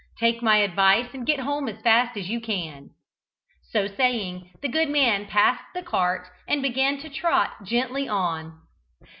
Take my advice, and get home as fast as you can." So saying, the good man passed the cart and began to trot gently on.